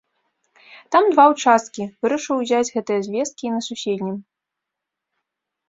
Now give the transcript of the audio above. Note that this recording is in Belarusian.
Там два ўчасткі, вырашыў узяць гэтыя звесткі і на суседнім.